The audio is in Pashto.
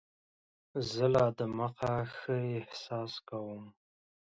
زه لا دمخه ښه احساس کوم.